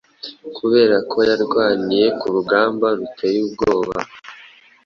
Kuberako yarwaniye kurugamba ruteye ubwoba,